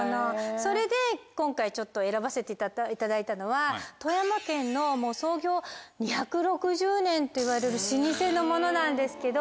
それで今回ちょっと選ばせていただいたのは富山県の創業２６０年といわれる老舗のものなんですけど。